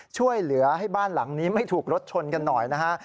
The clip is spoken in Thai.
ช่วยเหลือให้บ้านหลังนี้ไม่ถูกรถชนกันหน่อยนะฮะ